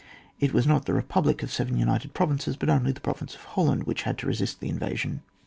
It was not the Bepublic of seven united provinces, but only the province of Hol land which had to resist the invasion.